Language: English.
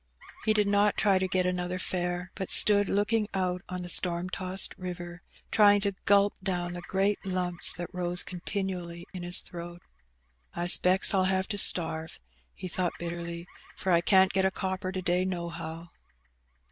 He did not try to get another fare, but stood looking out on the storm tossed river, trying to gulp down the great lumps that rose continually in his throat. " I specks FU have to starve," he thought bitterly, " for I can^t get a copper to day nohow."